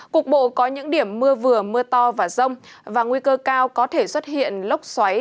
cục bộ có những điểm mưa vừa mưa to và rông và nguy cơ cao có thể xuất hiện lốc xoáy